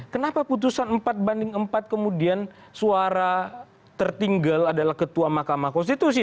kenapa putusan empat banding empat kemudian suara tertinggal adalah ketua mahkamah konstitusi